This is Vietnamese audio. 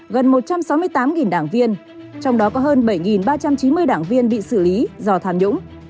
gần một trăm sáu mươi tám đảng viên trong đó có hơn bảy ba trăm chín mươi đảng viên bị xử lý do tham nhũng